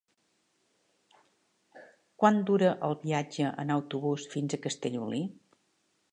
Quant dura el viatge en autobús fins a Castellolí?